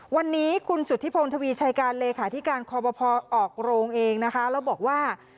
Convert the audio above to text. วันนี้คุณสุธิพงศ์ทวีชัยการเลขาธิการคอปภออกโรงเองนะคะแล้วบอกว่า